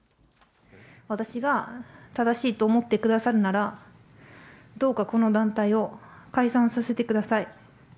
私が正しいと思ってくださるなら、どうかこの団体を解散させてください。